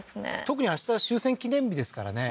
特にあしたは終戦記念日ですからね